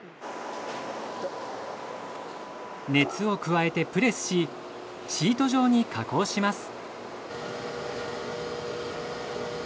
熱を加えてプレスしシート状に加工します。